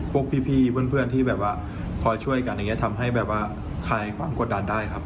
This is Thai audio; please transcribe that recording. พวกพี่เพื่อนที่แบบว่าคอยช่วยกันอย่างนี้ทำให้แบบว่าคลายความกดดันได้ครับ